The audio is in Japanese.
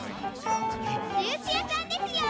ジュースやさんですよ！